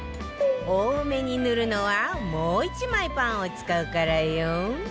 多めに塗るのはもう１枚パンを使うからよ